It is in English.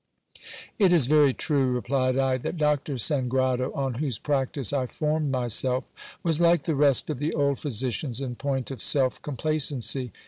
It is very true, replied I, that Doctor Sangrado, on whose practice I formed myself, was like the rest of the old physicians in point of self complacency.